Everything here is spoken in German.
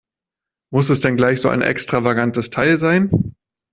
Muss es denn gleich so ein extravagantes Teil sein?